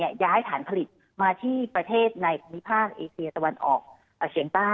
ย้ายฐานผลิตมาที่ประเทศในมิพากษ์ตะวันออกเฉียงใต้